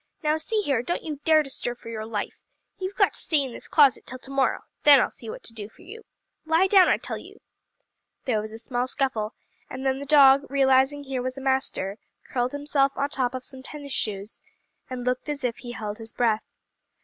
Now see here, don't you dare to stir for your life! You've got to stay in this closet till to morrow then I'll see what to do for you. Lie down, I tell you." There was a small scuffle; and then the dog, realizing here was a master, curled himself on top of some tennis shoes, and looked as if he held his breath.